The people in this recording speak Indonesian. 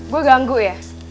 gue ganggu ya